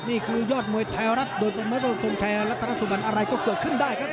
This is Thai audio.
นี่คือยอดมวยแท้รัฐโดยตรงเมืองแท้รัฐทรัศุกรรมอะไรก็เกิดขึ้นได้ครับ